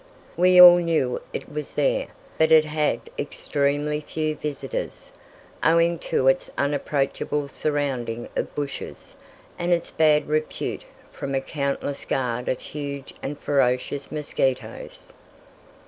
We all knew it was there, but it had extremely few visitors, owing to its unapproachable surrounding of bushes, and its bad repute from a countless guard of huge and ferocious mosquitos.